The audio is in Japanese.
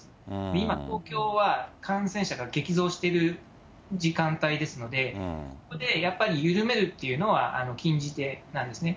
今、東京は感染者が激増している時間帯ですので、ここでやっぱり緩めるというのは禁じ手なんですね。